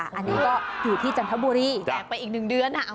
อันนี้ก็อยู่ที่จันทบุรีแจกไปอีก๑เดือน